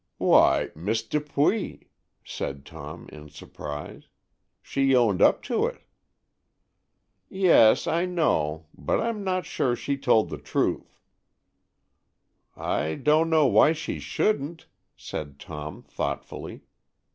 "Why, Miss Dupuy," said Tom, in surprise. "She owned up to it." "Yes, I know; but I'm not sure she told the truth." "I don't know why she shouldn't," said Tom, thoughtfully.